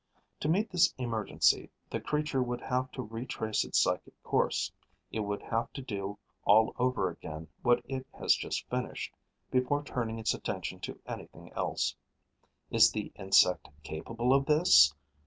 To meet this emergency, the creature would have to retrace its psychic course; it would have to do all over again what it has just finished, before turning its attention to anything else. Is the insect capable of this?